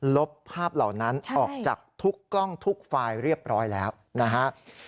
ลบภาพเหล่านั้นออกจากทุกกล้องทุกไฟล์เรียบร้อยแล้วนะฮะ